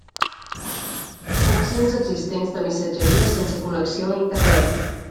Opcions existents de missatgeria sense connexió a Internet.